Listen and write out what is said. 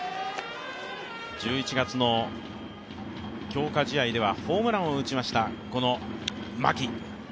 １１月の強化試合ではホームランを打ちました牧。